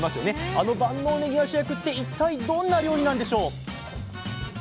あの万能ねぎが主役って一体どんな料理なんでしょう？